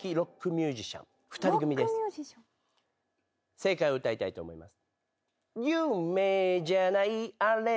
正解を歌いたいと思います。